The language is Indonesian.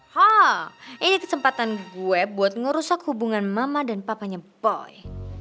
hah ini kesempatan gue buat ngerusak hubungan mama dan papanya boy